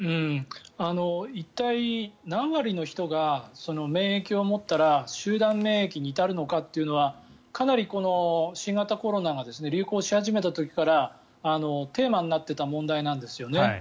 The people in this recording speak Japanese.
一体、何割の人が免疫を持ったら集団免疫に至るのかというのはかなり新型コロナが流行し始めた時からテーマになっていた問題なんですよね。